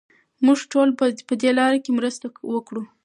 موږ ټول باید پهدې لاره کې مرسته وکړو.